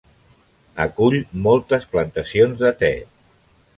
Acull moltes plantacions de te.